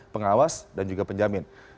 pengawas dan juga penjamin